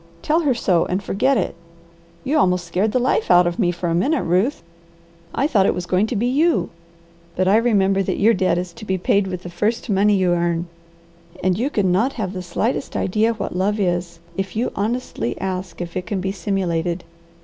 Tell her so and forget it. You almost scared the life out of me for a minute, Ruth. I thought it was going to be you. But I remember your debt is to be paid with the first money you earn, and you can not have the slightest idea what love is, if you honestly ask if it can be simulated.